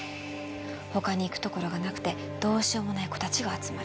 ほかに行くところがなくて、どうしようもない子たちが集まる。